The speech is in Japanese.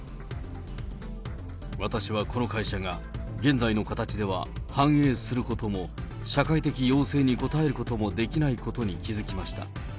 私はこの会社が現在の形では繁栄することも、社会的要請に応えることもできないことに気付きました。